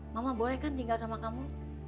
mama boleh kan tinggal sama kamu